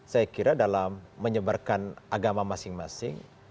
saya kira dalam menyebarkan agama masing masing